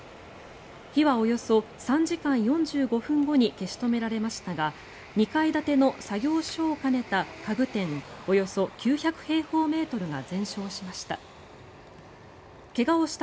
火はおよそ３時間４５分後に消し止められましたが２階建ての作業所を兼ねた家具店およそ９００平方メートルが全焼しました。